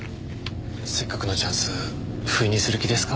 せっかくのチャンスふいにする気ですか？